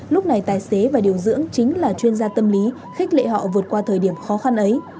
lúc này tài xế và điều dưỡng chính là chuyên gia tâm lý khích lệ họ vượt qua thời điểm khó khăn ấy